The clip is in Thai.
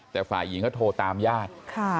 แต่ฝ่ายหญิงเขาโทรตามญาติ